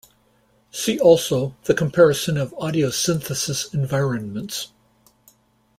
See also the comparison of audio synthesis environments.